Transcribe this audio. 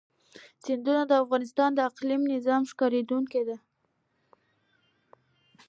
سیندونه د افغانستان د اقلیمي نظام ښکارندوی ده.